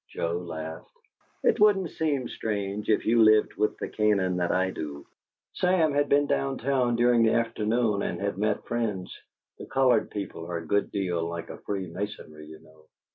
Joe laughed. "It wouldn't seem strange if you lived with the Canaan that I do. Sam had been down town during the afternoon and had met friends; the colored people are a good deal like a freemasonry, you know.